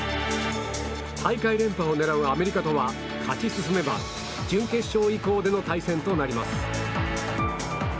大会連覇を狙うアメリカとは勝ち進めば準決勝以降での対戦となります。